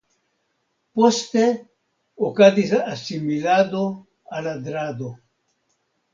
Poste okazis asimilado al Adrado.